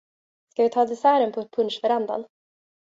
Ska vi ta desserten på punschverandan?